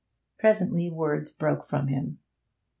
Presently words broke from him.